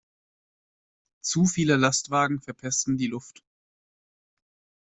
Zu viele Lastwagen verpesten die Luft.